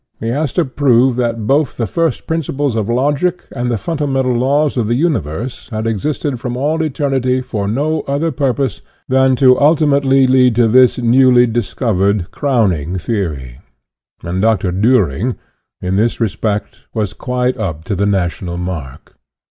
He has to prove that both the first principles of logic and the fundamental laws of the universe had existed from all eternity for no other pur pose than to ultimately lead to this newly discov ered, crowning theory. And Dr. Diihring, in this respect, was quite up to the national mark.